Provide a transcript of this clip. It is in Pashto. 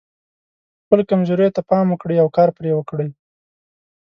خپلو کمزوریو ته پام وکړئ او کار پرې وکړئ.